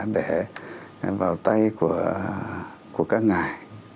để vào tay của các ngài